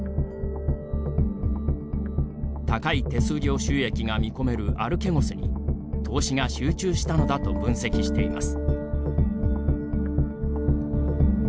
高い手数料収益が見込めるアルケゴスに投資が集中したのだと分析しています。